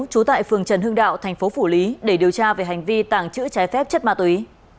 trú tại phường trần hưng đạo thành phố phủ lý để điều tra về hành vi tàng trữ trái phép chất ma túy